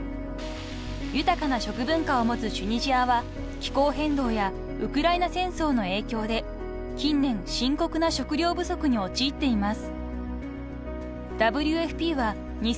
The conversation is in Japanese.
［豊かな食文化を持つチュニジアは気候変動やウクライナ戦争の影響で近年深刻な食料不足に陥っています］